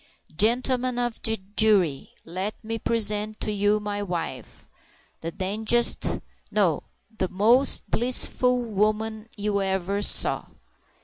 "Gentlemen of the jury! let me present to you my wife—the dangdest sk— no, the most blissful woman you ever saw."